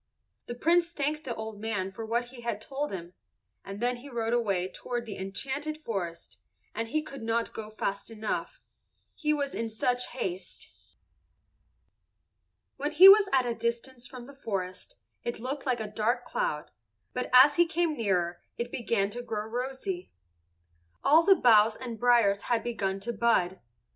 The Prince thanked the old man for what he had told him, and then he rode away toward the enchanted forest, and he could not go fast enough, he was in such haste. When he was at a distance from the forest, it looked like a dark cloud, but as he came nearer it began to grow rosy. All the boughs and briers had begun to bud.